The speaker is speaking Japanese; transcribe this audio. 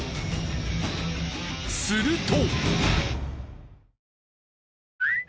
すると！